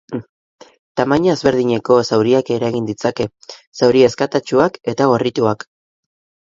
Tamaina ezberdineko zauriak eragin ditzake, zauri ezkatatsuak eta gorrituak.